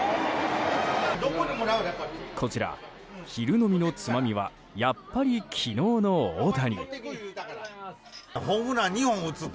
こちら、昼飲みのつまみはやっぱり昨日の大谷。